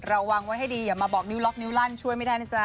ระวังไว้ให้ดีอย่ามาบอกนิ้วล็อกนิ้วลั่นช่วยไม่ได้นะจ๊